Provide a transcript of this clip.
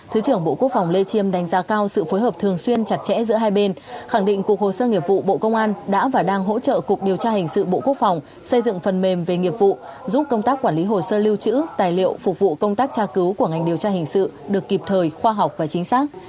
thứ trưởng bộ quốc phòng lê chiêm đánh giá cao sự phối hợp thường xuyên chặt chẽ giữa hai bên khẳng định cục hồ sơ nghiệp vụ bộ công an đã và đang hỗ trợ cục điều tra hình sự bộ quốc phòng xây dựng phần mềm về nghiệp vụ giúp công tác quản lý hồ sơ lưu trữ tài liệu phục vụ công tác tra cứu của ngành điều tra hình sự được kịp thời khoa học và chính xác